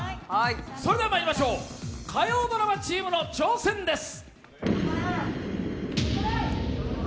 それではまいりましょう、火曜ドラマチームの挑戦です。